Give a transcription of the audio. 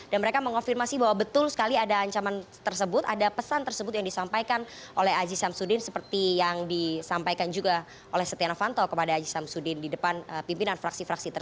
dan mereka mengonfirmasi bahwa betul sekali ada ancaman tersebut ada pesan tersebut yang disampaikan oleh aziz hamsuddin seperti yang disampaikan juga oleh setia novanto kepada aziz hamsuddin di depan pimpinan fraksi